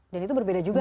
dan itu berbeda juga ya